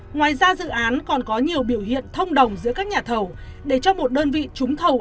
ngoài ra dự án còn có nhiều biểu hiện thông đồng giữa các nhà thầu để cho một đơn vị trúng thầu